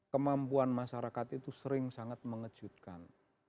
kemampuan masyarakat itu sering sangat mengejutkan